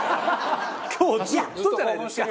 今日ずっとじゃないですか。